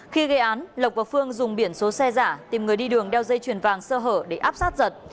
khi gây án lộc và phương dùng biển số xe giả tìm người đi đường đeo dây chuyền vàng sơ hở để áp sát giật